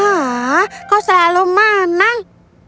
ah kau selalu menang